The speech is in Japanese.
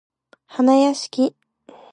はなやしき